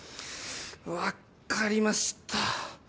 分かりました。